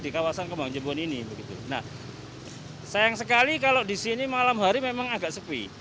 di kawasan kembang jebon ini begitu nah sayang sekali kalau di sini malam hari memang agak sepi